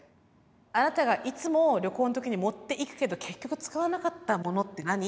あなたがいつも旅行の時に持っていくけど結局使わなかったものって何？って。